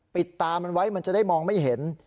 ปิดตามันไว้มันจะได้มองไม่เห็น